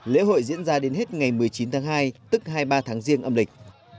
lễ hội diễn ra đến hết ngày một mươi chín tháng hai tức hai mươi ba tháng riêng âm lịch